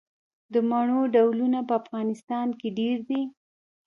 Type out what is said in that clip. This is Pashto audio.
د مڼو ډولونه په افغانستان کې ډیر دي.